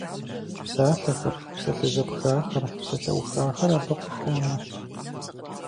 Псалъэхэр, псалъэ зэпхахэр, псалъэухахэр абы къыхонэ.